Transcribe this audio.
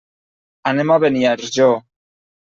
Anem a Beniarjó.